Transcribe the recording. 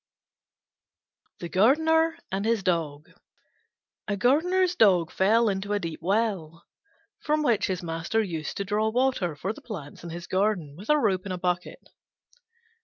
THE GARDENER AND HIS DOG A Gardner's Dog fell into a deep well, from which his master used to draw water for the plants in his garden with a rope and a bucket.